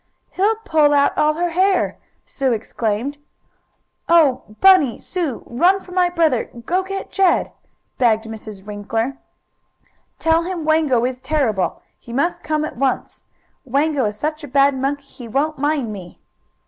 "He'll pull out all her hair!" Sue exclaimed. "Oh, Bunny Sue run for my brother! Go get Jed!" begged Miss Winkler. "Tell him Wango is terrible! He must come at once. Wango is such a bad monkey he won't mind me!"